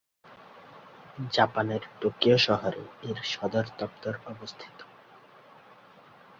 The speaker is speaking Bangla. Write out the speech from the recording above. জাপানের টোকিও শহরে এর সদরদপ্তর অবস্থিত।